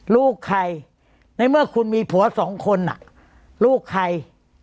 ลูกใครในเมื่อคุณมีผัวสองคนลูกใคร